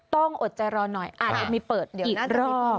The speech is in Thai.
ต้องอดใจรอหน่อยอาจจะมีเปิดอีกรอบ